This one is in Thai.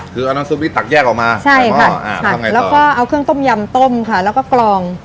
คือเอาน้ำซุปนี้ตักแยกออกมาใช่ค่ะแล้วก็เอาเครื่องต้มยำต้มค่ะแล้วก็กรอง